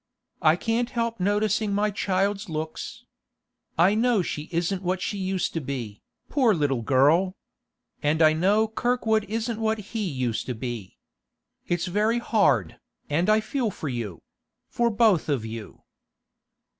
'I can't help noticing my child's looks. I know she isn't what she used to be, poor little girl! And I know Kirkwood isn't what he used to be. It's very hard, and I feel for you—for both of you.